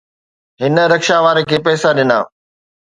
هن رڪشا واري کي پئسا ڏنا